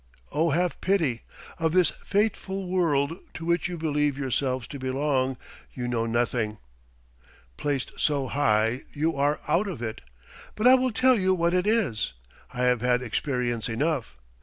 Oh, have pity! Of this fatal world to which you believe yourselves to belong you know nothing. Placed so high, you are out of it. But I will tell you what it is. I have had experience enough.